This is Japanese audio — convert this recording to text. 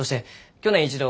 去年一度？